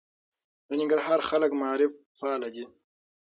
د ننګرهار خلک معارف پاله دي.